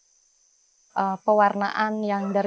nah ceseba masak kita pria